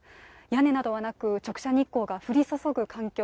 屋根などはなく、直射日光が降り注ぐ環境。